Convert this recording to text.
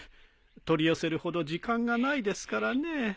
取り寄せるほど時間がないですからね。